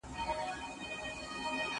نن مي د جلاد په لاس کي سره تېغونه ولیدل